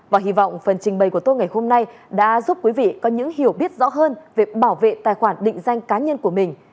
và hy vọng phần trình bày của tôi ngày hôm nay đã giúp quý vị có những hiểu biết rõ hơn về bảo vệ tài khoản định danh cá nhân của mình